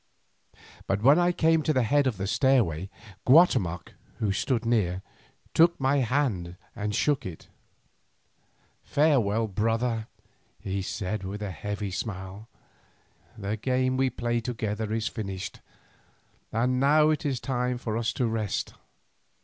But when I came to the head of the stairway, Guatemoc, who stood near, took my hand and shook it. "Farewell, my brother," he said with a heavy smile; "the game we played together is finished, and now it is time for us to rest.